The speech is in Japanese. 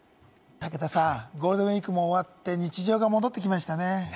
武田さん、ゴールデンウイークも終わって、日常が戻ってきましたね。